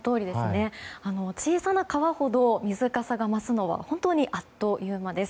小さな川ほど水かさが増すのは本当にあっという間です。